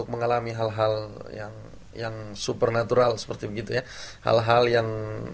mari berjalan ke sion